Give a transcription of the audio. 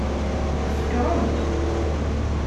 Tsekṛemt!